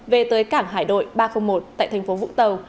về tới cảng hải đội ba trăm linh một tại thành phố vũng tàu